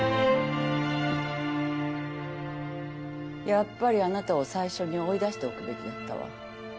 やっぱりあなたを最初に追い出しておくべきだったわ。